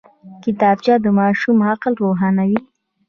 کتابچه د ماشوم عقل روښانوي